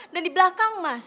dan di belakang mas